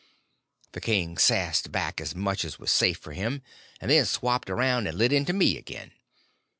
The king sassed back as much as was safe for him, and then swapped around and lit into me again.